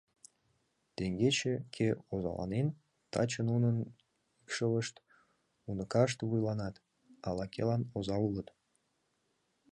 Теҥгече кӧ озаланен, таче нунын икшывышт, уныкашт вуйланат, ала-кӧлан оза улыт.